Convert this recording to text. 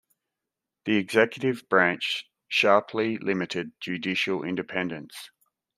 The executive branch sharply limited judicial independence.